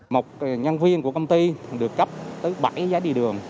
một nhân viên của công ty được cấp tới bảy giá đi đường